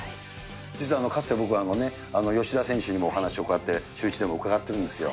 実はかつて僕は吉田選手にもお話をこうやって、シューイチでもうかがってるんですよ。